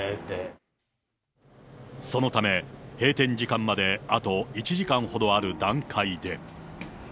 そのため、閉店時間まであと１時間ほどある段階で。